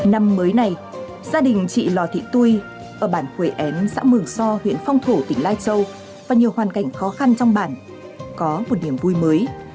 năm mới này gia đình chị lò thị tui ở bản quầy én xã mường so huyện phong thổ tỉnh lai châu và nhiều hoàn cảnh khó khăn trong bản có một niềm vui mới